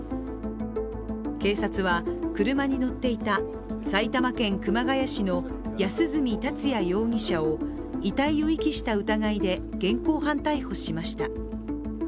警察は、車に乗っていた埼玉県熊谷市の安栖達也容疑者を遺体を遺棄した疑いで現行犯逮捕しました。